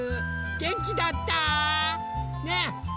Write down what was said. げんきだった？ねえ。